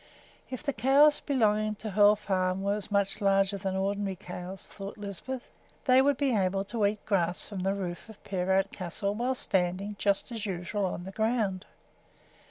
If the cows belonging to Hoel Farm were as much larger than ordinary cows, thought Lisbeth, they would be able to eat grass from the roof of Peerout Castle while standing, just as usual, on the ground.